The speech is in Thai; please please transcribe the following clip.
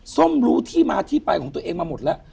ส้มรู้ที่มาที่ไปของตัวเองมาหมดแล้ว